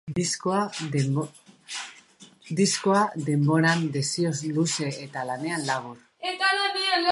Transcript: Diskoa, denboran, desioz luze eta lanean labur.